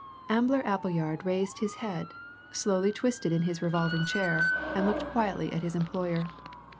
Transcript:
Ambler Appleyard raised his head, slowly twisted in his revolving chair, and looked quietly at his employer.